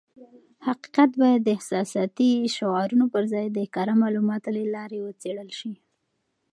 حقیقت بايد د احساساتي شعارونو پر ځای د کره معلوماتو له لارې وڅېړل شي.